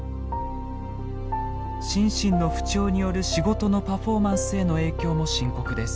心身の不調による仕事のパフォーマンスへの影響も深刻です。